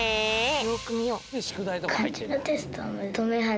よくみよう。